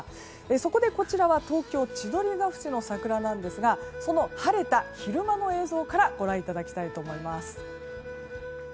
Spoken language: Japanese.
そこで、こちらは東京・千鳥ケ淵の桜なんですがその晴れた昼間の映像からご覧いただきたいと思います。